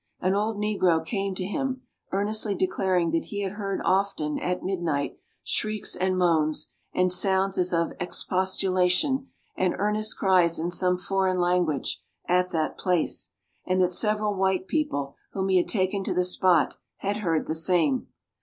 An old negro came to him, earnestly declaring that he had heard often, at midnight, shrieks and moans, and sounds as of expostulation, and earnest cries in some foreign language, at that place; and that several white people whom he had taken to the spot had heard the same.